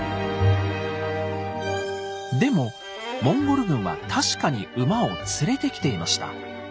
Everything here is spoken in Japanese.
でもモンゴル軍は確かに馬を連れてきていました。